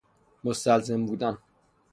مستلزم بودن